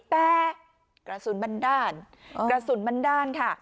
แต่กระสุนบันดาลค่ะ